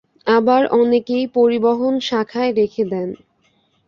আবার অনেকেই পরিবহন শাখায় রেখে দেন।